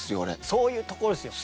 そういうところですよ。